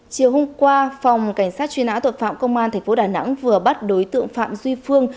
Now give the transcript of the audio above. chiều hôm qua phòng cảnh sát truy nã tội phạm công an tp đà nẵng vừa bắt đối tượng phạm duy phương